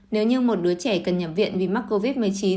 nếu như một đứa trẻ cần nhập viện vì mắc covid một mươi chín